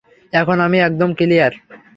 এখন আমি একদম ক্লিয়ার।